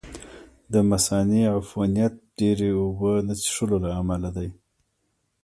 د مثانې عفونت ډېرې اوبه نه څښلو له امله دی.